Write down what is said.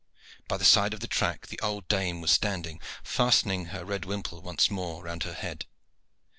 By the side of the track the old dame was standing, fastening her red whimple once more round her head.